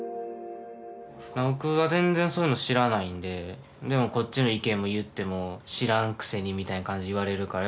僕が全然そういうの知らないんでこっちの意見も言っても「知らんくせに」みたいな感じで言われるから